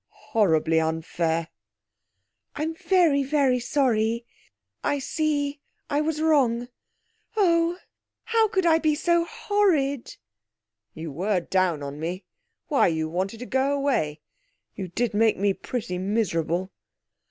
'Horribly unfair.' 'I'm very, very sorry. I see I was wrong. Oh, how could I be so horrid?' 'You were down on me! Why, you wanted to go away! You did make me pretty miserable.'